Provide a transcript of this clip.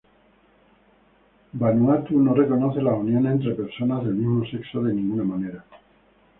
Vanuatu no reconoce las uniones entre personas del mismo sexo de ninguna manera.